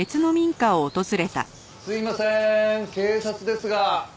すいませーん警察ですが。